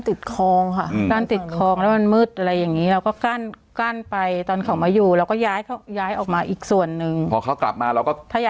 ติดคลองค่ะกั้นติดคลองแล้วมันมืดอะไรอย่างนี้เราก็กั้นกั้นไปตอนเขามาอยู่เราก็ย้ายเขาย้ายออกมาอีกส่วนหนึ่งพอเขากลับมาเราก็พยายาม